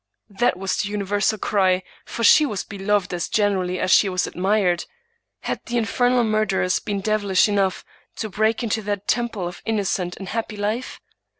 That was the universal cry; for she was beloved as generally as she was admired. Had the infernal murderers been devilish enough to break into that temple of innocent and happy life?